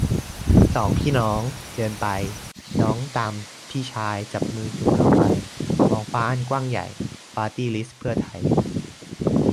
สองพี่น้อง เดินไป น้องตามพี่ชาย จับมือจูงน้องไป มองฟ้าอันกว้างใหญ่ ปาร์ตี้ลิสต์เพื่อไทย